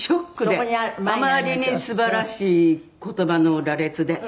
あまりに素晴らしい言葉の羅列で。